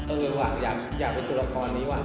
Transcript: เออว่ะอยากเป็นตัวละครนี้ว่ะ